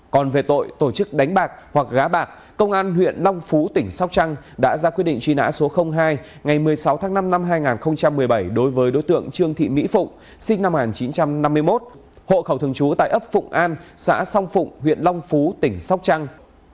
còn về tội tổ chức đánh bạc hoặc gá bạc công an huyện long phú tỉnh sóc trăng đã ra quyết định truy nã số hai ngày một mươi sáu tháng năm năm hai nghìn một mươi bảy đối với đối tượng trương thị mỹ phụng sinh năm một nghìn chín trăm năm mươi một hộ khẩu thường trú tại ấp phụng an xã song phụng huyện long phú tỉnh sóc trăng